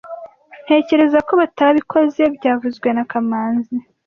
Ntekereza ko batabikoze byavuzwe na kamanzi